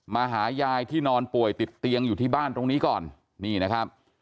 มาหายายที่นอนป่วยติดเตียงอยู่ที่บ้านตรงนี้ก่อนนี่นะครับ